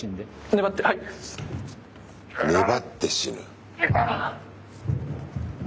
粘って死ぬ。